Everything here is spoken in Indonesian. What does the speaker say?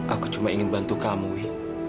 aku cuma ingin bantu kamu ya